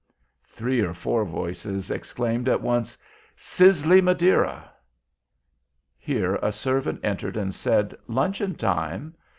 Three or four voices exclaimed at once: "Sizzle y Madeira!" Here a servant entered, and said, "Luncheon time."